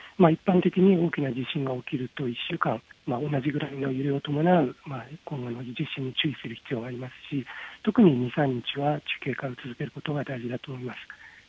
一般的に大きな地震が起きると、１週間、同じぐらいの揺れを伴うこのような地震に注意する必要がありますし、特に２、３日は注意を続けることが大事だと思います。